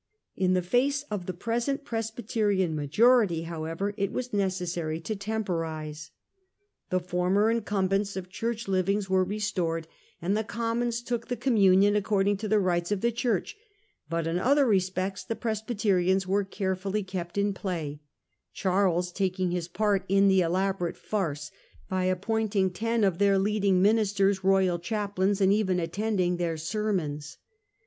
In the face of the present Presbyterian majority how ever it was necessary to temporise. The former incum bents of Church livings were restored, and the Commons Th p . b to °k Communion according to the rites of icriansTept" the Church ; but in othet respects the Presby 111 play. terians were carefully kept in play ; Charles taking his part in the elaborate farce by appointing ten of their leading ministers royal chaplains, and even attending their sermons.